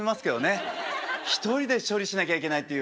一人で処理しなきゃいけないっていう